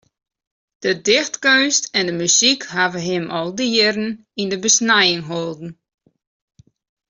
De dichtkeunst en de muzyk hawwe him al dy jierren yn de besnijing holden.